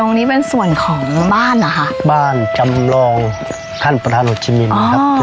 ตรงนี้เป็นส่วนของบ้านเหรอคะบ้านจำลองท่านประธานโรชิมินครับ